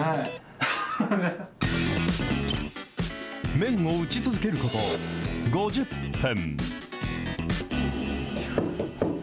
麺を打ち続けること５０分。